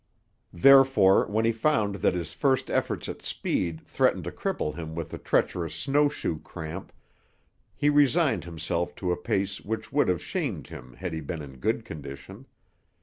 Therefore, when he found that his first efforts at speed threatened to cripple him with the treacherous snow shoe cramp, he resigned himself to a pace which would have shamed him had he been in good condition.